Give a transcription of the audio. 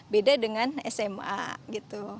beda dengan sma gitu